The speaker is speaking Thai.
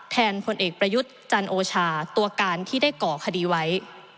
พลเอกประยุทธ์จันโอชาตัวการที่ได้ก่อคดีไว้